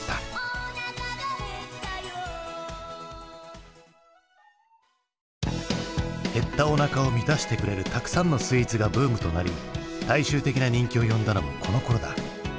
「お腹がへったよ」減ったおなかを満たしてくれるたくさんのスイーツがブームとなり大衆的な人気を呼んだのもこのころだ。